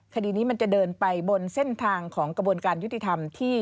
คดีนี้มันจะเดินไปบนเส้นทางของกระบวนการยุติธรรมที่